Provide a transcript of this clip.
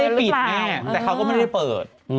เขาก็ไม่ได้ปิดแน่แต่เขาก็ไม่ได้เปิด